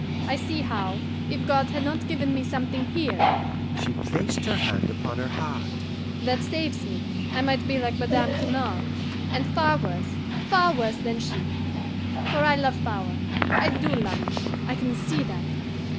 I see how, if God had not given me something here" she placed her hand upon her heart "that saves me, I might be like Madame Cournal, and far worse, far worse than she. For I love power I do love it; I can see that!"